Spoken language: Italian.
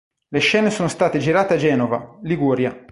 Le scene sono state girate a Genova, Liguria.